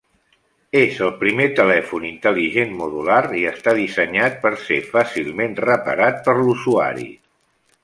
És el primer telèfon intel·ligent modular i està dissenyat per ser fàcilment reparat per l'usuari.